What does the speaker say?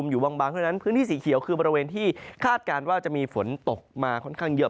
อยู่บางเพราะฉะนั้นพื้นที่สีเขียวคือบริเวณที่คาดการณ์ว่าจะมีฝนตกมาค่อนข้างเยอะ